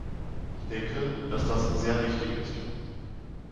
Ich denke, dass das sehr wichtig ist.